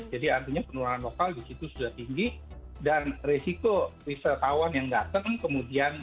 jadi artinya penularan lokal di situ sudah tinggi dan resiko wisatawan yang datang kemudian